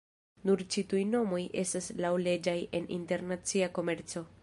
Nur ĉi-tuj nomoj estas laŭleĝaj en internacia komerco.